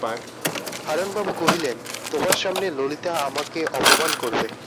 হারানবাবু কহিলেন, তোমার সামনে ললিতা আমাকে অপমান করবে!